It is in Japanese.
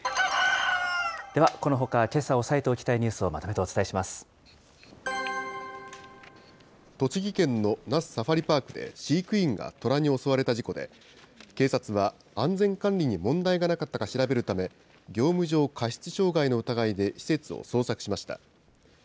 では、このほか、けさ押さえておきたいニュースをまとめてお伝え栃木県の那須サファリパークで飼育員がトラに襲われた事故で、警察は、安全管理に問題がなかったか調べるため、業務上過失傷害の疑いで施設を捜索しました。